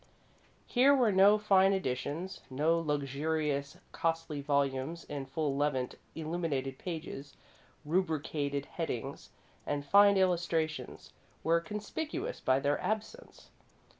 Here were no fine editions, no luxurious, costly volumes in full levant. Illuminated pages, rubricated headings, and fine illustrations were conspicuous by their absence.